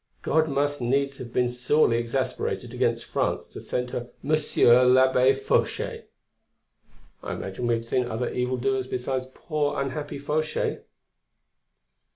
God must needs have been sorely exasperated against France to send her Monsieur l'Abbé Fauchet!" "I imagine we have seen other evil doers besides poor, unhappy Fauchet."